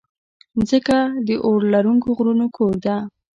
مځکه د اورلرونکو غرونو کور ده.